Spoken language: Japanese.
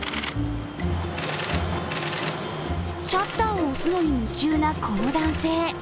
シャッターを押すのに夢中なこの男性。